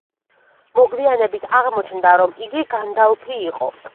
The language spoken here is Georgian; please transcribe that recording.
მოგვიანებით აღმოჩნდა, რომ იგი განდალფი იყო.